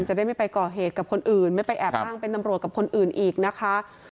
จะได้ไม่ไปก่อเหตุกับคนอื่นไม่ไปแอบอ้างเป็นตำรวจกับคนอื่นอีกนะคะ